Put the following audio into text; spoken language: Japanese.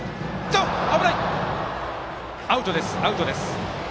アウトです。